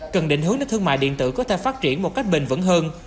cần định hướng để thương mại điện tử có thể phát triển một cách bền vững hơn